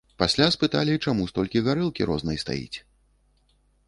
Пасля спыталі, чаму столькі гарэлкі рознай стаіць?